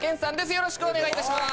よろしくお願いします